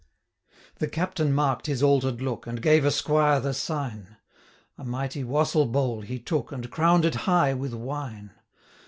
The Captain mark'd his alter'd look, And gave a squire the sign; 230 A mighty wassell bowl he took, And crown'd it high with wine.